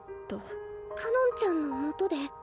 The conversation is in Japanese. かのんちゃんのもとで。